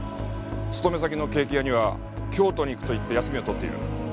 勤め先のケーキ屋には京都に行くと言って休みをとっている。